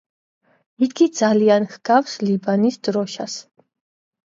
იგი ძალიან ჰგავს ლიბანის დროშას.